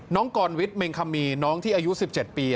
น้องกรวิทย์เมงคามีน้องที่อายุ๑๗ปี